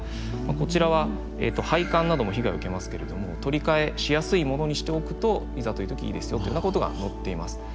こちらは配管なども被害を受けますけれども取り替えしやすいものにしておくといざという時いいですよというようなことが載っています。